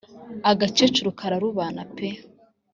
agakecuru kararubana pe